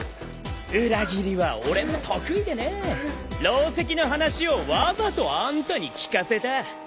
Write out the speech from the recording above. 裏切りは俺も得意でねろう石の話をわざとあんたに聞かせた。